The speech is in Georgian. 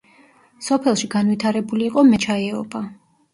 სოფელში განვითარებული იყო მეჩაიეობა.